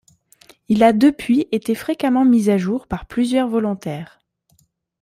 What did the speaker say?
Il a depuis été fréquemment mis à jour par plusieurs volontaires.